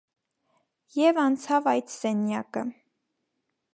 Եվ անցավ այդ սենյակը: